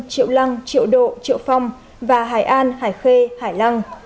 triệu lăng triệu độ triệu phong và hải an hải khê hải lăng